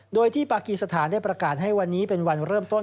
โดยที่ปากีสถานได้ประกาศให้วันนี้เป็นวันเริ่มต้น